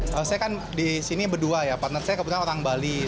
kalau saya kan di sini berdua ya partner saya kebetulan orang bali